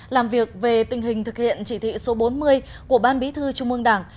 làm việc về tình hình thực hiện chỉ thị số bốn mươi của ban bí thư trung ương đảng